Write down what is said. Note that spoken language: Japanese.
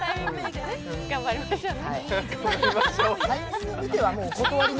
頑張りましょうね。